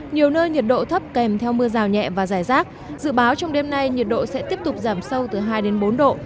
nhiều nơi nhiệt độ thấp kèm theo mưa rào nhẹ và rải rác dự báo trong đêm nay nhiệt độ sẽ tiếp tục giảm sâu từ hai đến bốn độ